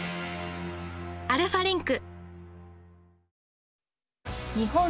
アルファリンク